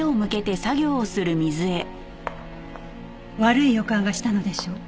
悪い予感がしたのでしょう。